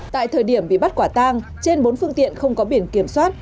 tại thời điểm bị bắt quả tang trên bốn phương tiện không có biển kiểm soát